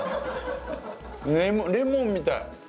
レモンみたい。